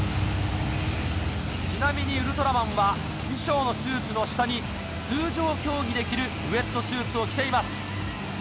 ちなみにウルトラマンは衣装のスーツの下に通常競技で着るウエットスーツを着ています。